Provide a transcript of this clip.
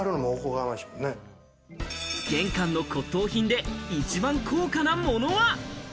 玄関の骨董品で一番高価なものは？